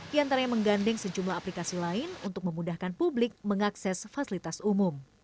di antaranya menggandeng sejumlah aplikasi lain untuk memudahkan publik mengakses fasilitas umum